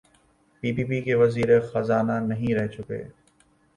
پی P P کے وزیر خزانہ نہیں رہ چکے؟